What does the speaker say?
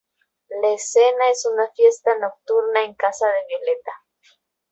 La escena es una fiesta nocturna en casa de Violetta.